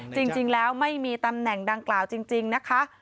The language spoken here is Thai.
จริงแล้วไม่มีตำแหน่งดังกล่าวจริงนะคะ